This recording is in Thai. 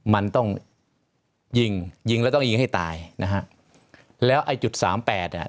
มันต้องยิงยิงแล้วต้องยิงให้ตายนะฮะแล้วไอ้จุดสามแปดอ่ะ